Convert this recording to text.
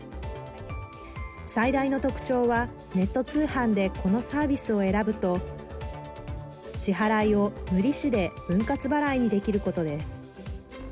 最大の特徴は、ネット通販でこのサービスを選ぶと支払いを無利子で分割払いにできることです。